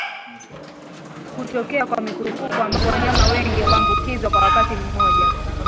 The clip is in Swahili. Hutokea kwa mikurupuko ambapo wanyama wengi huambukizwa kwa wakati mmoja